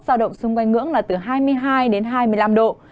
giao động xung quanh ngưỡng là từ hai mươi hai đến hai mươi năm độ